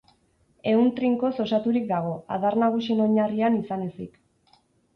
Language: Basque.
Ehun trinkoz osaturik dago, adar nagusien oinarrian izan ezik.